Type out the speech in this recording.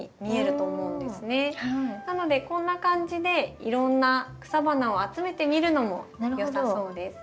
なのでこんな感じでいろんな草花を集めてみるのもよさそうです。